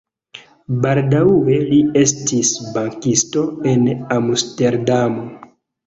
Baldaŭe li estis bankisto en Amsterdamo.